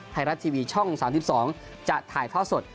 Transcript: ไทยรัตน์ทีวีช่อง๓๒จะถ่ายเพราะสด